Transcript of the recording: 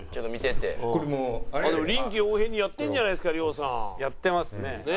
臨機応変にやってんじゃないですか亮さん。やってますね。